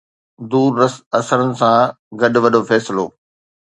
دور رس اثرن سان گڏ وڏو فيصلو.